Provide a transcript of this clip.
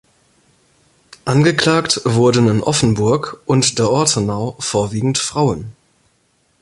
Angeklagt wurden in Offenburg und der Ortenau vorwiegend Frauen.